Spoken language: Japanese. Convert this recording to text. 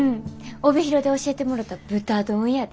帯広で教えてもろた豚丼やで。